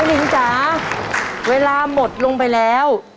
นิงจ๋าเวลาหมดลงไปแล้ว